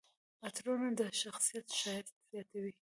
عطرونه د شخصیت ښایست زیاتوي.